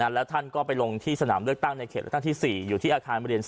แล้วท่านก็ไปลงที่สนามเลือกตั้งในเขตเลือกตั้งที่๔อยู่ที่อาคารเรียน๔